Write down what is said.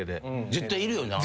絶対いるよな。